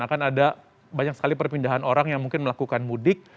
akan ada banyak sekali perpindahan orang yang mungkin melakukan mudik